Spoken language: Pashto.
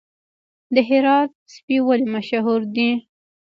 د هرات سپي ولې مشهور دي؟